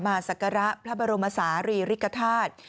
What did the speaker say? ศักระพระบรมศาลีริกฐาตุ